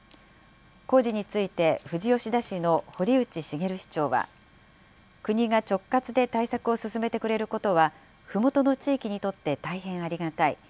工事について、富士吉田市の堀内茂市長は、国が直轄で対策を進めてくれることは、ふもとの地域にとって大変ありがたい。